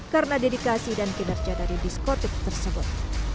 karena dedikasi dan kinerja dari diskotek tersebut